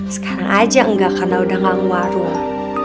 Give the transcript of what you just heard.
sekarang aja enggak karena udah gak ngewarung